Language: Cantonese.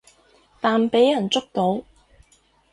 但畀人捉到